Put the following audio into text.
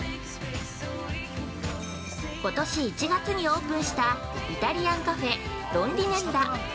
◆ことし１月にオープンしたイタリアンカフェ「ロンディネッラ」。